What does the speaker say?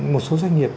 một số doanh nghiệp